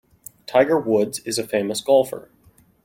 Tiger Woods is a famous golfer.